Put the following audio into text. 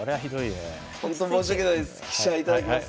ほんと申し訳ないです。